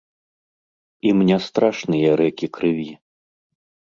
Ім не страшныя рэкі крыві.